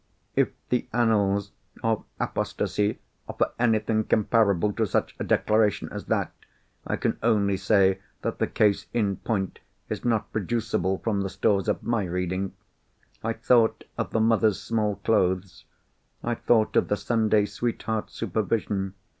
If the annals of apostasy offer anything comparable to such a declaration as that, I can only say that the case in point is not producible from the stores of my reading. I thought of the Mothers' Small Clothes. I thought of the Sunday Sweetheart Supervision.